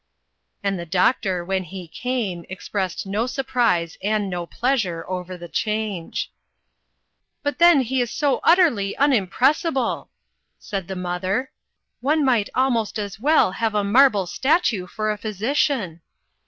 And the doctor, when he came, expressed no surprise and no pleasure over the change. "But then he is so utterly unimpressible !" said the mother, " one might almost as well have a marble statue for a physician."